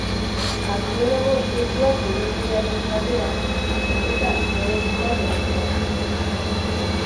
Arkeologo ospetsua bere kidearekin batera, azterketa arkeologikoak egiten hasi zen.